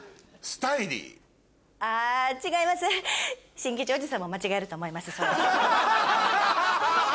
新吉おじさんも間違えると思いますそうやって。